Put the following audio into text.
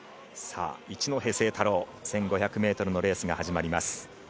一戸誠太郎、１５００ｍのレースが始まります。